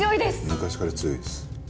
昔から強いです。